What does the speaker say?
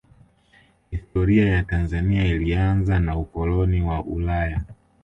Historia ya Tanzania ilianza na wakoloni wa Ulaya